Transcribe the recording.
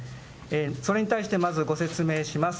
それに対して、まずご説明します。